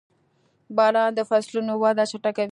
• باران د فصلونو وده چټکوي.